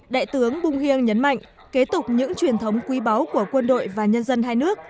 đại tướng bung hiêng nhấn mạnh kế tục những truyền thống quý báu của quân đội và nhân dân hai nước